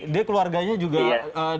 dia keluarganya juga di sana